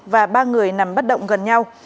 và ba người nằm bất động gần nhau